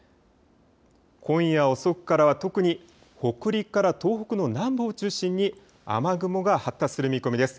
今夜遅くからは特に北陸から東北の南部を中心に雨雲が発達する見込みです。